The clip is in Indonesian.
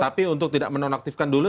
tapi untuk tidak menonaktifkan dulu